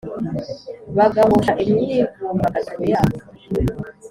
bagahosha imyivumbagatanyo yabo.